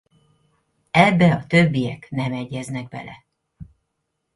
Ebbe a többiek nem egyeznek bele.